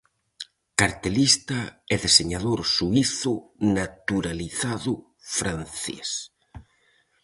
Cartelista e deseñador suízo naturalizado francés.